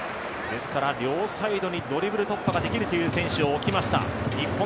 ですから両サイドにドリブル突破ができる選手を置きました。